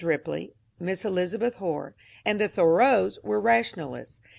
Ripley, Miss Elizabeth Hoar, and the Thoreaus were rationalists.